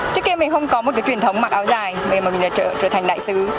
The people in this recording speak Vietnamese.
trước kia mình không có một truyền thống mặc áo dài bây giờ mình trở thành đại sứ